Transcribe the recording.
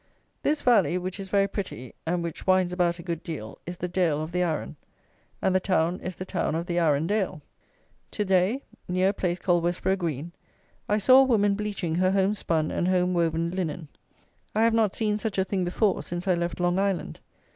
This valley, which is very pretty, and which winds about a good deal, is the dale of the Arun: and the town is the town of the Arun dale. To day, near a place called Westborough Green, I saw a woman bleaching her home spun and home woven linen. I have not seen such a thing before, since I left Long Island.